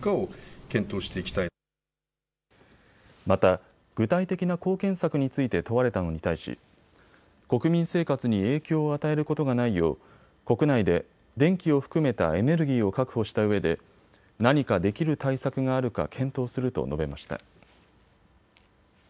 また、具体的な貢献策について問われたのに対し国民生活に影響を与えることがないよう国内で電気を含めたエネルギーを確保したうえで何かできる対策があるか検討すると述べました。